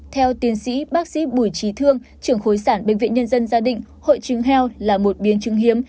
theo tiến sĩ bác sĩ bùi trí thương trưởng khối sản bệnh viện nhân dân gia đình hội chứng heo là một biến chứng hiếm